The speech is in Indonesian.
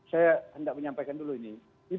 saya hendak menyampaikan dulu ini